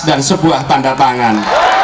dan sebuah tanda tangan